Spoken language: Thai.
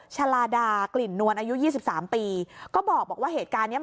ชาลาดากลิ่นนวลอายุยี่สิบสามปีก็บอกว่าเหตุการณ์เนี้ย